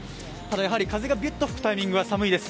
やはり風がビュッと吹くタイミングは寒いです。